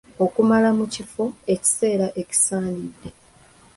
Okumala mu kifo kiseera ekisaanidde.